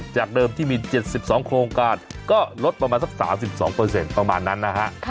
จากเดิมที่มี๗๒โครงการก็ลดประมาณสัก๓๒ประมาณนั้นนะฮะ